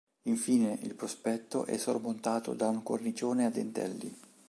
Infine, il prospetto è sormontato da un cornicione a dentelli.